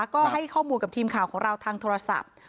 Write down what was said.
ก็ให้ข้อมูลกับทีมข่าวของเราทางโทรศัพท์